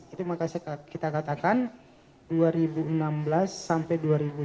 itu maka kita katakan dua ribu enam belas sampai dua ribu tujuh belas